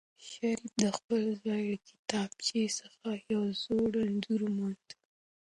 شریف د خپل زوی له کتابچې څخه یو زوړ انځور وموند.